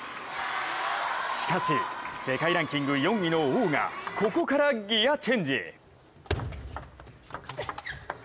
しかし、世界ランキング４位の王がここからギアチェンジ。